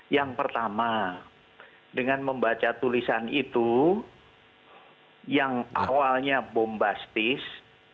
yang pertama dengan membaca tulisan itu yang awalnya bombastis